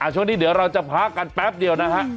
ช่วงนี้เดี๋ยวเราจะพักกันแป๊บเดียวนะฮะ